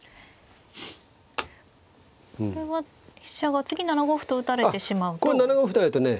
これは飛車が次７五歩と打たれてしまうとまずいですね。